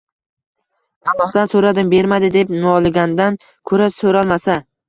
“Allohdan so‘radim, bermadi”, deb noligandan ko‘ra so‘ralmasa